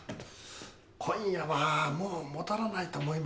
今夜はもう戻らないと思いますが。